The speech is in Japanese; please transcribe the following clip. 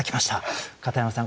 片山さん